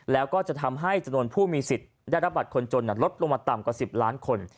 แล้วก็จะทำให้จำนวนผู้มีสิทธิ์ได้รับบัตรคนจนลดลงมาต่ำกว่า๑๐ล้านคน